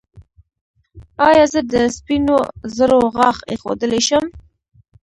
ایا زه د سپینو زرو غاښ ایښودلی شم؟